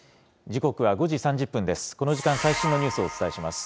時刻は５時３０分です。